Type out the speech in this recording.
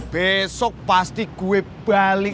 besok pasti gue balik